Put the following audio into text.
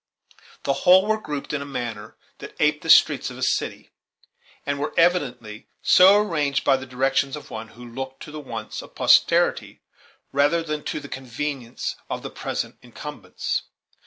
The whole were grouped in a manner that aped the streets of a city, and were evidently so arranged by the directions of one who looked to the wants of posterity rather than to the convenience of the present incumbents.